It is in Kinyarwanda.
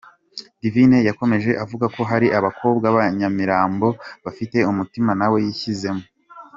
Divine yakomeje avuga ko hari abakobwa ba Nyamirambo bafite umutima nawe yishyizemo.